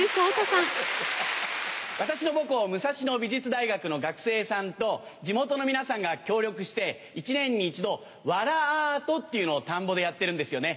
私の母校武蔵野美術大学の学生さんと地元の皆さんが協力して一年に１度「わらアート」っていうのを田んぼでやってるんですよね。